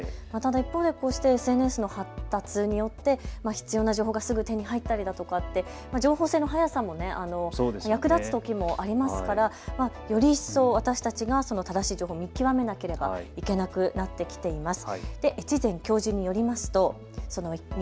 一方でこうしてＳＮＳの発達によって必要な情報がすぐ手に入ったりだとか、情報の速さも役立つときもありますからより一層、私たちが正しい情報を見極めなければいけなくなってきています。